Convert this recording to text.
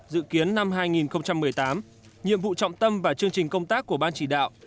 dự kiến năm hai nghìn một mươi tám nhiệm vụ trọng tâm và chương trình công tác của ban chỉ đạo